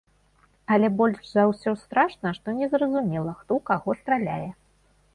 Але больш за ўсё страшна, што незразумела, хто ў каго страляе.